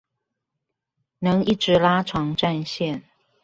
能一直拉長戰線